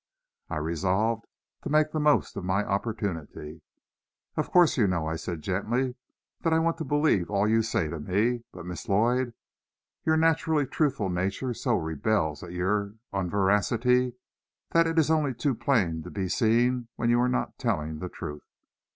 I resolved to make the most of my opportunity. "Of course you know," I said gently, "that I want to believe all you say to me. But, Miss Lloyd, your naturally truthful nature so rebels at your unveracity, that it is only too plain to be seen when you are not telling the truth.